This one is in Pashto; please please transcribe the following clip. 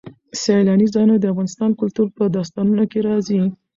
سیلانی ځایونه د افغان کلتور په داستانونو کې راځي.